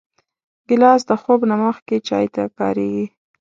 ګیلاس د خوب نه مخکې چای ته کارېږي.